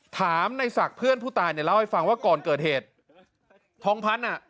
ถามในศักดิ์เพื่อนผู้ตายเนี่ยเล่าให้ฟังว่าก่อนเกิดเหตุทองพันธ์อ่ะ